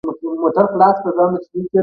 تر اوسه یې نړۍ بل ساری نه دی لیدلی.